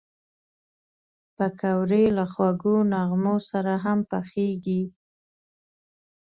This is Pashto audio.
پکورې له خوږو نغمو سره هم پخېږي